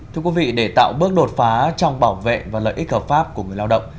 thưa quý vị để tạo bước đột phá trong bảo vệ và lợi ích hợp pháp của người lao động